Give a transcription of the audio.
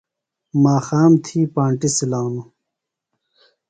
ماخام تھی پانٹیۡ سِلانوۡ۔